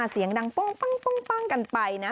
เสียงดังโป้งกันไปนะ